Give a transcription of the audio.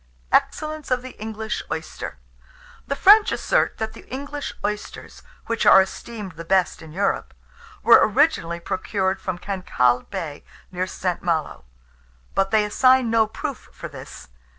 EXCELLENCE OF THE ENGLISH OYSTER. The French assert that the English oysters, which are esteemed the best in Europe, were originally procured from Cancalle Bay, near St. Malo; but they assign no proof for this.